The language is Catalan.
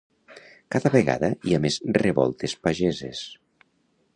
Cada vegada hi ha més revoltes pageses.